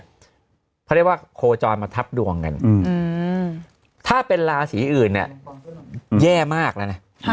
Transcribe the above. เขาเรียกว่าโคจรมาทับดวงกันถ้าเป็นราศีอื่นเนี่ยแย่มากแล้วนะ